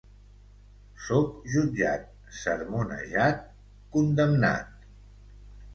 Sóc jutjat, sermonejat, condemnat.